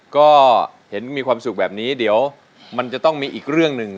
ก็เห็นมีความสุขแบบนี้เดี๋ยวมันจะต้องมีอีกเรื่องหนึ่ง